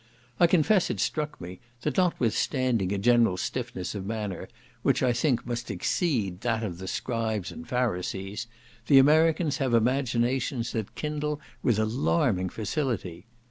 I confess it struck me, that notwithstanding a general stiffness of manner, which I think must exceed that of the Scribes and Pharisees, the Americans have imaginations that kindle with alarming facility.